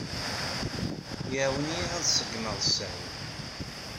Iɛawen-iyi ad seggmeɣ ssaɛa-w.